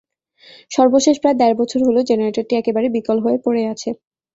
সর্বশেষ প্রায় দেড় বছর হলো জেনারেটরটি একেবারে বিকল হয়ে পড়ে আছে।